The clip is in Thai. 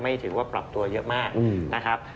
ถือว่าปรับตัวเยอะมากนะครับ